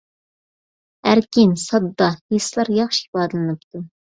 ئەركىن، ساددا ھېسلار ياخشى ئىپادىلىنىپتۇ!